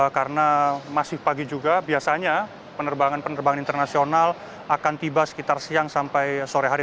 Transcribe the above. karena masih pagi juga biasanya penerbangan penerbangan internasional akan tiba sekitar siang sampai sore hari